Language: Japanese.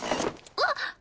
あっ！